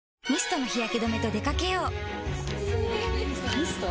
ミスト？